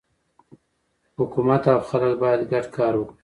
حکومت او خلک باید ګډ کار وکړي.